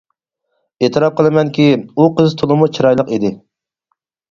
ئېتىراپ قىلىمەنكى، ئۇ قىز تولىمۇ چىرايلىق ئىدى.